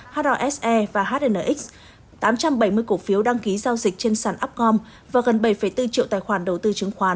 hrse và hnx tám trăm bảy mươi cổ phiếu đăng ký giao dịch trên sản upcom và gần bảy bốn triệu tài khoản đầu tư chứng khoán